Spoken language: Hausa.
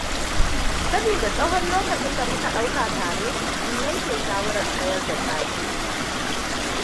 Sabida tsahon lokacin da muka ɗauka tare, mun yanke shawarar sayar da sashin.